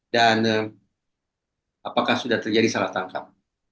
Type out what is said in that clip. dan apakah sudah terjadi salah tangkap